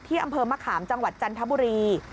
อำเภอมะขามจังหวัดจันทบุรี